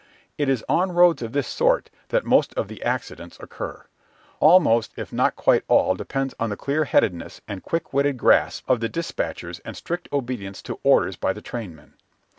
It is on roads of this sort that most of the accidents occur. Almost if not quite all depends on the clear headedness and quick witted grasp of the despatchers and strict obedience to orders by the trainmen.